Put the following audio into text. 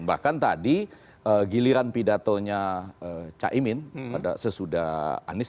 bahkan tadi giliran pidatonya caimin pada sesudah anies